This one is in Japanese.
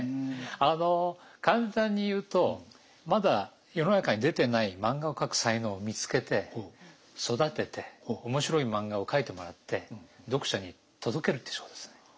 あの簡単に言うとまだ世の中に出てない漫画を描く才能を見つけて育てて面白い漫画を描いてもらって読者に届けるって仕事です。